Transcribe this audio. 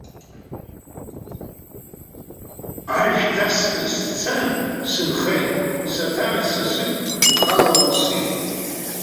Ажә ҭаскырц сцан, сынхеит, саҭамыз, сасык ухала унсыжьит.